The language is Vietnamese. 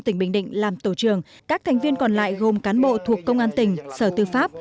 tỉnh bình định làm tổ trường các thành viên còn lại gồm cán bộ thuộc công an tỉnh sở tư pháp